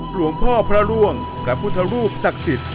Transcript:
หลวงพ่อพระร่วงพระพุทธรูปศักดิ์สิทธิ์